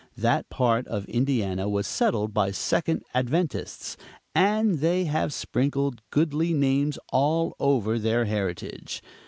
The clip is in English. That part of Indiana was settled by Second Adventists, and they have sprinkled goodly names all over their heritage.